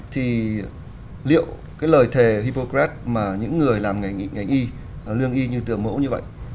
thì liệu lời thề hippocrates mà những người làm ngành y lương y như tưởng mẫu như vậy